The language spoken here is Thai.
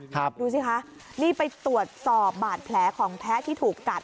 ดูสิคะนี่ไปตรวจสอบบาดแผลของแท้ที่ถูกกัด